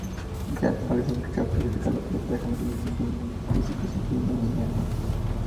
Gaon Album Chart clasifica a las ventas de discos físicos, incluyendo mini-álbumes.